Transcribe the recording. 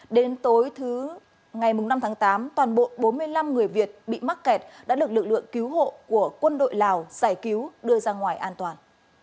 đến tối thứ ngày năm tháng tám toàn bộ bốn mươi năm người việt bị mắc kẹt đã được lực lượng cứu hộ của quân đội lào giải cứu đưa ra ngoài an toàn